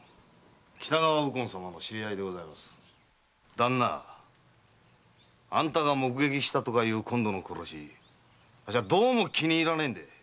旦那あんたが目撃したとかいう今度の殺しあっしはどうも気に入らねえ。